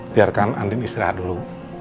biarkan andien istirahat dulu